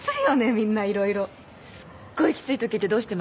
みんないろいろすっごいきついときってどうしてます？